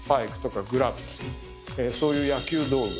そういう野球道具